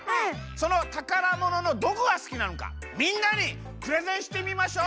そのたからもののどこがすきなのかみんなにプレゼンしてみましょう！